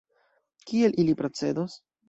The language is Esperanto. Kiel ili procedos?